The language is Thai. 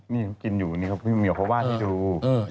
นี่เขากินอยู่นี่พี่เหมียวเขาวาดให้ดู